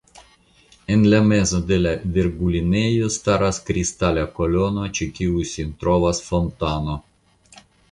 En la mezo de la virgulinejo staras kristala kolono, ĉe kiu sin trovas fontano.